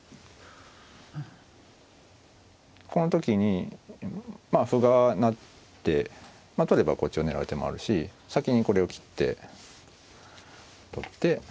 この時にまあ歩が成って取ればこっちを狙う手もあるし先にこれを切って取って。